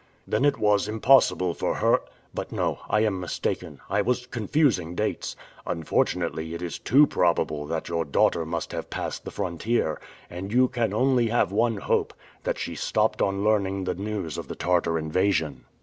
"Then it was impossible for her But no, I am mistaken I was confusing dates. Unfortunately, it is too probable that your daughter must have passed the frontier, and you can only have one hope, that she stopped on learning the news of the Tartar invasion!"